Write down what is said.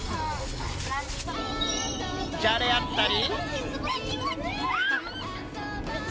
じゃれ合ったり。